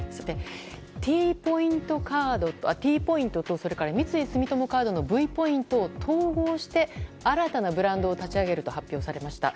Ｔポイントと三井住友カードのＶポイントを統合して新たなブランドを立ち上げると発表されました。